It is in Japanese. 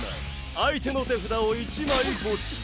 相手の手札を１枚墓地へ。